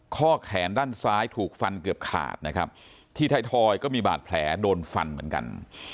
ข้อแขนด้านซ้ายถูกฟันเกือบขาดนะครับที่ไทยทอยก็มีบาดแผลโดนฟันเหมือนกัน